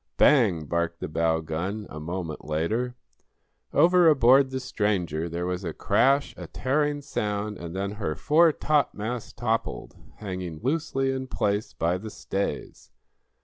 Bang! barked the bow gun, a moment later. Over aboard the stranger there was a crash, a tearing sound, and then her foretopmast toppled, hanging loosely in place by the stays.